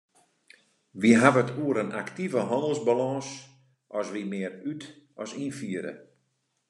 Wy hawwe it oer in aktive hannelsbalâns as wy mear út- as ynfiere.